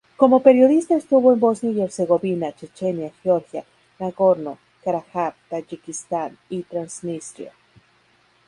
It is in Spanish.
Como periodista estuvo en Bosnia y Herzegovina, Chechenia, Georgia, Nagorno-Karabaj, Tayikistán y Transnistria.